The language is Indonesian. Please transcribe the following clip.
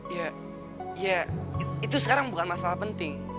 ya itu sekarang bukan masalah penting